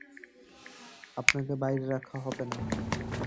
আপনাকে বাইরে রাখা হবে না।